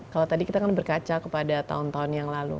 kalau tadi kita kan berkaca kepada tahun tahun yang lalu